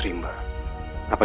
yang lebih baik